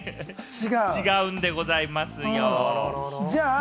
違うんでございますよ。